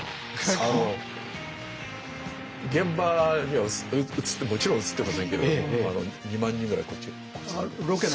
あの現場にはもちろん映ってませんけれども２万人ぐらいこっち。